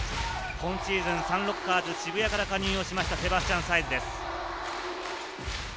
今シーズン、サンロッカーズ渋谷から加入をしました、セバスチャン・サイズです。